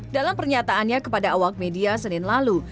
dalam pernyataannya kepada awak media senin lalu